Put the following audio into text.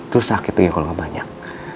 terus sakit lagi kalo gak banyak